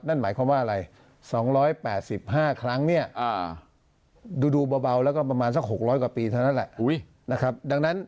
นั่นหมายความว่าอะไร๒๘๕ครั้งเนี่ยดูเบาแล้วก็ประมาณสัก๖๐๐กว่าปีเท่านั้นแหละนะครับดังนั้น